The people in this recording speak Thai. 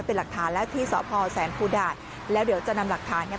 เป็นหลักฐานแล้วที่สพแสนภูดาตแล้วเดี๋ยวจะนำหลักฐานเนี่ย